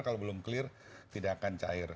kalau belum clear tidak akan cair